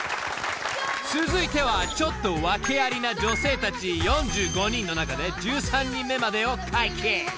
［続いてはちょっとワケありな女性たち４５人の中で１３人目までを解禁］